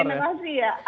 lain generasi ya